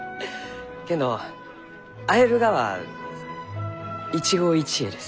けんど会えるがは一期一会です。